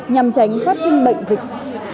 nhằm tránh phát sinh bệnh dịch